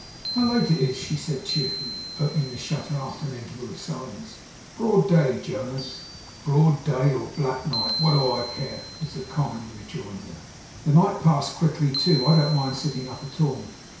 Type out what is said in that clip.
'How late it is!' she said cheerfully, opening the shutter after an interval of silence. 'Broad day, Jonas!' 'Broad day or black night, what do I care!' was the kind rejoinder. 'The night passed quickly, too. I don't mind sitting up, at all.